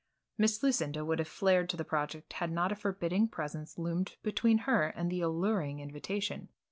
Miss Lucinda would have flared to the project had not a forbidding presence loomed between her and the alluring invitation.